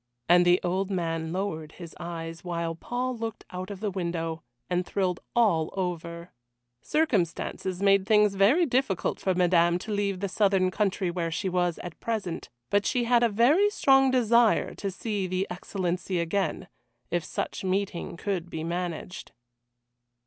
And the old man lowered his eyes, while Paul looked out of the window, and thrilled all over. Circumstances made things very difficult for Madame to leave the southern country where she was at present, but she had a very strong desire to see the Excellency again if such meeting could be managed.